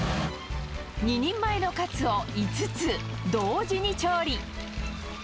２人前のカツを５つ、同時に調理。